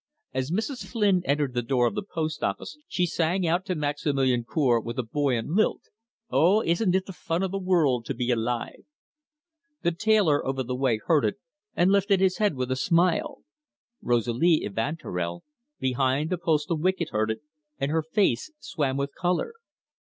As Mrs. Flynn entered the door of the post office she sang out to Maximilian Cour, with a buoyant lilt: "Oh, isn't it the fun o' the world to be alive!" The tailor over the way heard it, and lifted his head with a smile; Rosalie Evanturel, behind the postal wicket, heard it, and her face swam with colour.